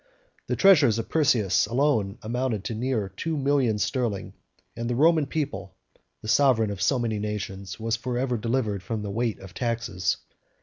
The treasures of Perseus alone amounted to near two millions sterling, and the Roman people, the sovereign of so many nations, was forever delivered from the weight of taxes.